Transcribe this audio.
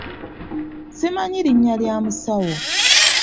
Simanyi linnya lya musawo .